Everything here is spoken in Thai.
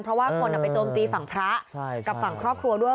เพราะว่าคนไปโจมตีฝั่งพระกับฝั่งครอบครัวด้วย